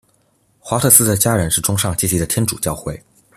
华特斯的家人是中上阶级的天主教会。